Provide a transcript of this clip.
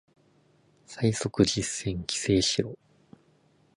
最速実践規制しろ